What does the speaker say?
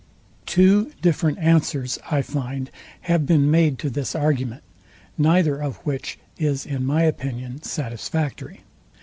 Two different answers, I find, have been made to this argument; neither of which is in my opinion satisfactory.